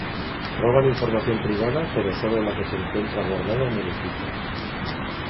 Roban información privada, pero sólo la que se encuentra guardada en el equipo.